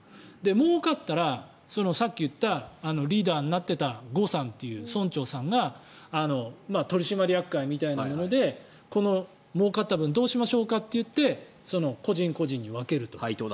儲かったら、さっき言ったリーダーになっていたゴさんという村長さんが取締役会みたいなものでこのもうかった分どうしましょうかと言って個人個人に分けると。